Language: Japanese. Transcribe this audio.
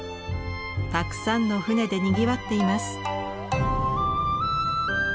たくさんの舟でにぎわっています。